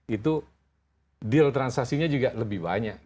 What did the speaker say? itu deal transaksinya juga lebih banyak